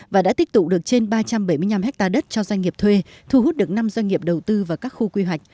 và đã tích tụ được trên ba trăm bảy mươi năm ha đất cho doanh nghiệp thuê thu hút được năm doanh nghiệp đầu tư vào các khu quy hoạch